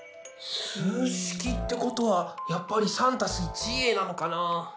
数式ってことはやっぱり３＋１Ａなのかな？